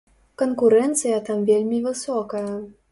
Канкурэнцыя там вельмі высокая.